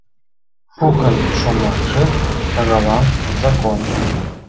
Шукын шомакше — шагаллан закон.